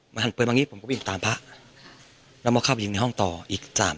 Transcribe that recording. มันหันปืนมางี้ผมก็วิ่งตามพระแล้วมาเข้าไปยิงในห้องต่ออีกสาม